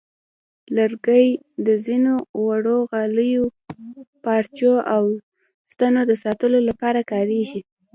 لرګي د ځینو زړو غالیو، پارچو، او ستنو د ساتلو لپاره کارېږي.